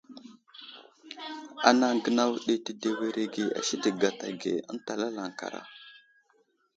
Anaŋ gənaw ɗi tədewerege a sədek gata ge ənta lalaŋkara.